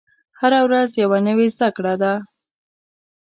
هره ورځ یوه نوې زده کړه ده.